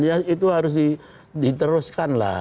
ya itu harus diteruskanlah